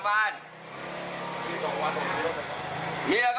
มันเลือดออก